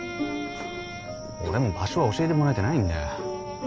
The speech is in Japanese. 俺も場所は教えてもらえてないんだよ。